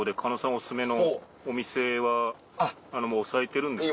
お薦めのお店は押さえてるんですけど。